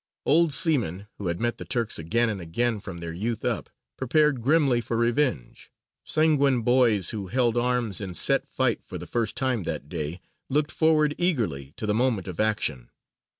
Old seamen, who had met the Turks again and again from their youth up, prepared grimly for revenge; sanguine boys, who held arms in set fight for the first time that day, looked forward eagerly to the moment of action.